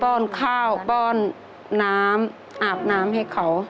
้อนข้าวป้อนน้ำอาบน้ำให้เขา